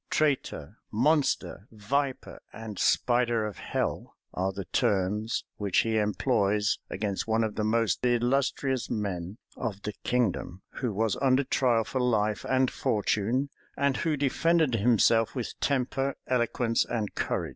Traitor, monster, viper, and spider of hell, are the terms which he employs against one of the most illustrious men of the kingdom, who was under trial for life and fortune, and who defended himself with temper, eloquence, and courage.